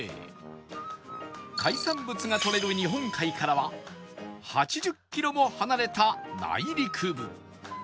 海産物がとれる日本海からは８０キロも離れた内陸部